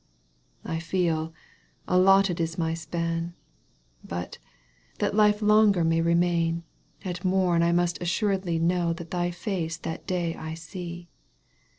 I feel, allotted is my span ; But, that life longer may remain, At mom I must assuredly Know that thy face that day I see.